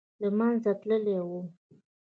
له منځه تللی وو.